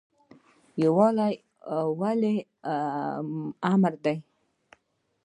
یووالی ولې امر دی؟